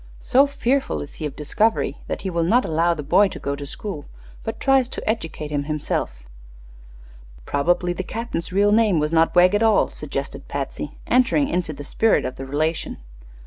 So fearful is he of discovery that he will not allow the boy to go to school, but tries to educate him himself." "Probably the captain's real name was not Wegg, at all," suggested Patsy, entering into the spirit of the relation.